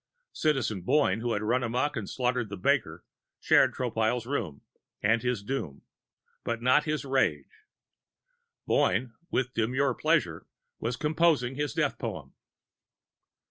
Citizen Boyne, who had run amok and slaughtered the baker, shared Tropile's room and his doom, but not his rage. Boyne, with demure pleasure, was composing his death poem.